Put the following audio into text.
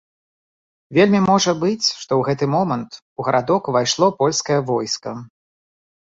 Вельмі можа быць, што ў гэты момант у гарадок увайшло польскае войска.